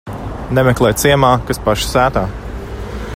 Nemeklē ciemā, kas paša sētā.